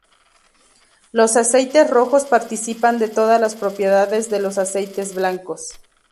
Los aceites rojos participan de todas las propiedades de los aceites blancos.